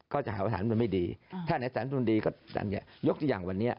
ก็จะหาว่าสารตัดสินธรรมไม่ดีถ้าไหนสารตัดสินธรรมดีก็ก็ยกอย่างวันนี้